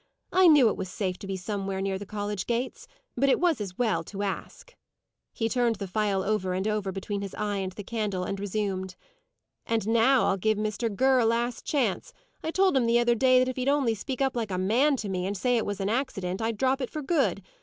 I knew it was safe to be somewhere near the college gates; but it was as well to ask." He turned the phial over and over between his eye and the candle, and resumed; "And now I'll give Mr. Ger a last chance. I told him the other day that if he'd only speak up like a man to me, and say it was an accident, I'd drop it for good.